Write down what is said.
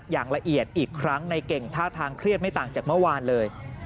อย่างละเอียดอีกครั้งในเก่งท่าทางเครียดไม่ต่างจากเมื่อวานเลย